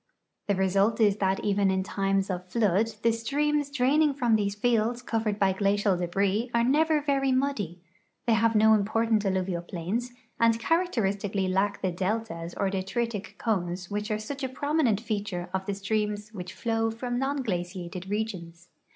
The result is that even in times of flood the streams draining from these fields covered b}" glacial debris are never very muddy ; they have no imi)ortant alluvial j)lains and characteristically lack the deltas or detritic cones which are such a prominent feature of the streams which flow from non glaciated regions.